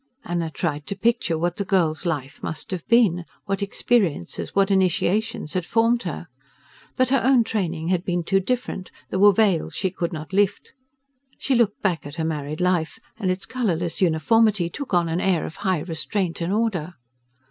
Anna tried to picture what the girl's life must have been: what experiences, what initiations, had formed her. But her own training had been too different: there were veils she could not lift. She looked back at her married life, and its colourless uniformity took on an air of high restraint and order.